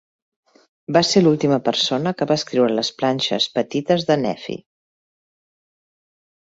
Va ser l'última persona que va escriure a les planxes petites de Nefi.